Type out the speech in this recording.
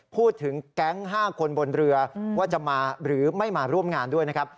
พูดถึงแก๊ง๕คนบนเรือว่าจะมาหรือไม่มาร่วมงานด้วยนะครับ